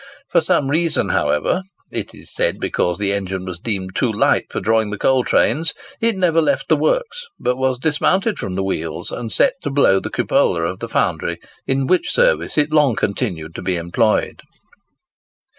For some reason, however—it is said because the engine was deemed too light for drawing the coal trains—it never left the works, but was dismounted from the wheels, and set to blow the cupola of the foundry, in which service it long continued to be employed.